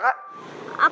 iya aku sendiri kakak